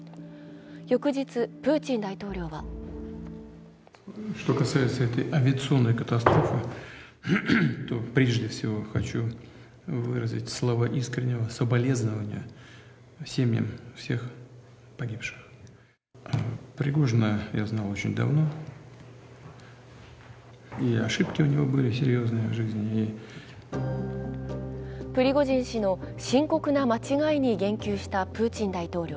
翌日、プーチン大統領はプリゴジン氏の深刻な間違いに言及したプーチン大統領。